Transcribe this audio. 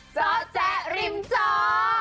เจ้าแจ๊กริมเจาว์